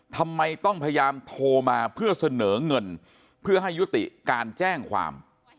ทำไมต้องพยายามโทรมาเพื่อเสนอเงินเพื่อให้ยุติการแจ้งความ